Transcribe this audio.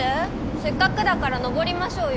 せっかくだから登りましょうよ。